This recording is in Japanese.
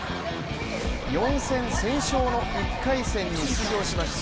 ４戦先勝の１回戦に出場しました